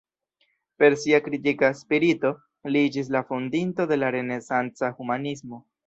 Per sia kritika spirito, li iĝis la fondinto de la renesanca humanismo.